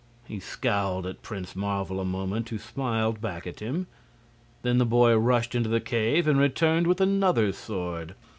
He scowled at Prince Marvel a moment, who smiled back at him. Then the boy rushed into the cave and returned with another sword.